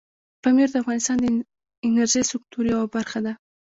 پامیر د افغانستان د انرژۍ سکتور یوه برخه ده.